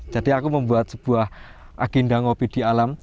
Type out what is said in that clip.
jadi aku membuat sebuah agenda ngopi di alam